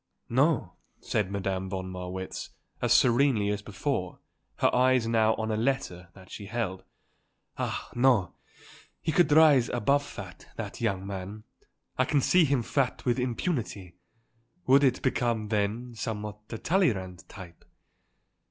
"No," said Madame von Marwitz, as serenely as before, her eyes now on a letter that she held. "Ah, no; he could rise above fat, that young man. I can see him fat with impunity. Would it become, then, somewhat the Talleyrand type?